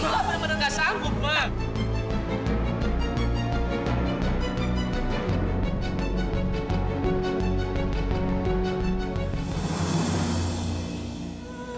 mama benar benar tidak sanggup ma